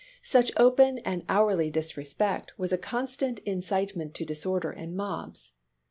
Such open and hourly NEW ORLEANS 281 disrespect was a constant incitement to disorder and mobs.